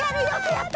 やった！